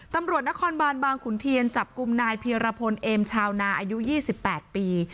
ตำรวจนครบานบางขุนเทียนจับกลุ่มนายเพียรพลเอมชาวนาอายุ๒๘ปี